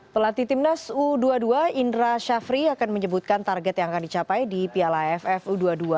pelatih timnas u dua puluh dua indra syafri akan menyebutkan target yang akan dicapai di piala aff u dua puluh dua